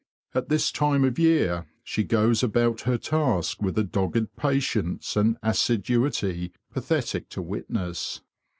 At this time of year she goes about her task with a dogged patience and assiduity pathetic to witness.